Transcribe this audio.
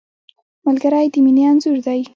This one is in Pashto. ملګری د مینې انځور دی